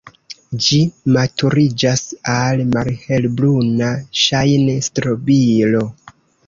Ĝi maturiĝas al malhelbruna ŝajn-strobilo.